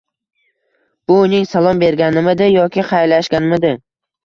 Bu uning salom berganimidi yoki xayrlashganimidi?